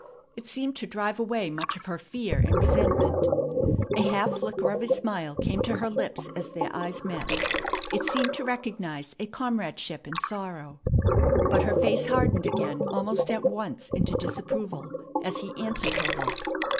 It seemed to drive away much of her fear and resentment. A half flicker of a smile came to her lips as their eyes met. It seemed to recognize a comradeship in sorrow. But her face hardened again almost at once into disapproval as he answered her look.